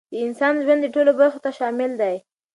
د انسان د ژوند ټولو برخو ته شامل دی،